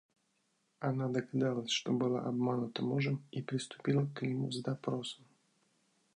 Она догадалась, что была обманута мужем, и приступила к нему с допросом.